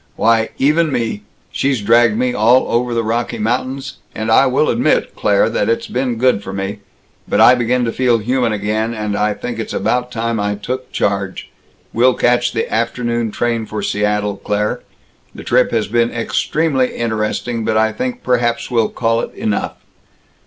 Why, even me she's dragged me all over the Rocky Mountains. And I will admit, Claire, that it's been good for me. But I begin to feel human again, and I think it's about time I took charge. We'll catch the afternoon train for Seattle, Claire. The trip has been extremely interesting, but I think perhaps we'll call it enough.